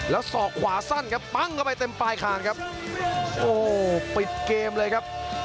แล้วศอกขวาสั้นครับปั้งเข้าไปเต็มปลายคางครับโอ้โหปิดเกมเลยครับ